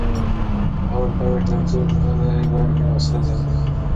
هغه ورته وویل چې دا څوک نه دی، بلکې دا سره زر دي.